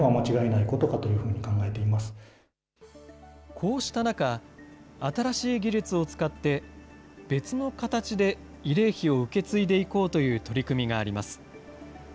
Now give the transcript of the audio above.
こうした中、新しい技術を使って別の形で慰霊碑を受け継いでいこうという取り組みがあります。